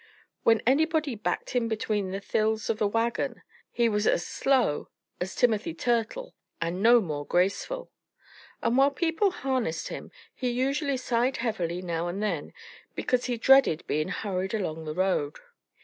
When anybody backed him between the thills of a wagon he was as slow as Timothy Turtle and no more graceful. And while people harnessed him he usually sighed heavily now and then, because he dreaded being hurried along the road.